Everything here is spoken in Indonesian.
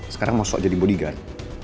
sekarang mau sok jadi bodyguard